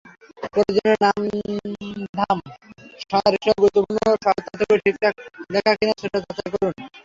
প্রয়োজনীয় নাম-ধাম, সন-তারিখসহ গুরুত্বপূর্ণ তথ্যগুলো ঠিকঠাক লেখা কিনা সেটা যাচাই করুন।